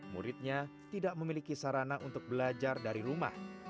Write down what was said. muridnya tidak memiliki sarana untuk belajar dari rumah